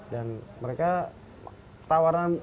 dan mereka tawaran